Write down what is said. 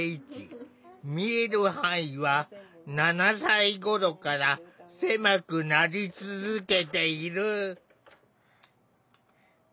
見える範囲は７歳頃から狭くなり続けている。